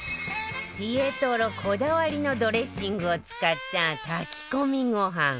ピエトロこだわりのドレッシングを使った炊き込みご飯